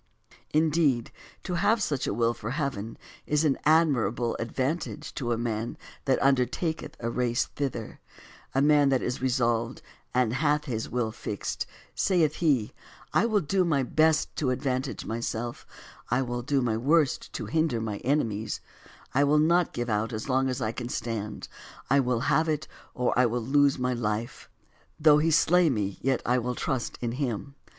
Indeed, to have such a will for heaven is an admirable ad 150 BUNYAN vantage to a man that undertaketh a race thither ; a man that is resolved, and hath his will fixed; saith he, " I will do my best to advantage myself, I will do my worst to hinder my enemies, I will not give out as long as I can stand, I will have it or I will lose my life ; tho He slay me, yet will I trust in Him.